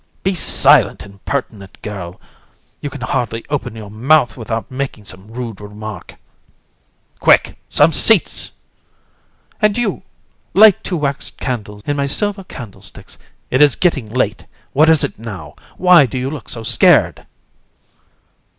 COUN. Be silent, impertinent girl! You can hardly open your month without making some rude remark. (To CRIQUET) Quick, some seats; (to ANDRÉE) and you, light two wax candles in my silver candlesticks; it is getting late. What is it now? why do you look so scared? AND.